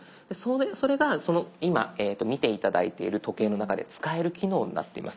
それが今見て頂いている時計の中で使える機能になっています。